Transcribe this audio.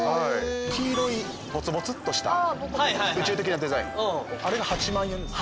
黄色いボツボツっとした宇宙的なデザインあれが８万円です。